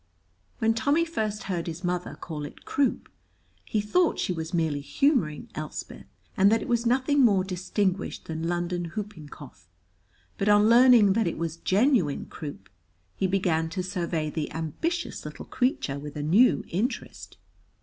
When Tommy first heard his mother call it croop, he thought she was merely humoring Elspeth, and that it was nothing more distinguished than London whooping cough, but on learning that it was genuine croop, he began to survey the ambitious little creature with a new interest.